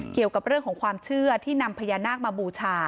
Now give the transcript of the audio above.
เกี่ยวกับเรื่องของความเชื่อที่นำพญานาคมาบูชา